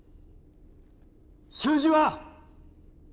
数字は？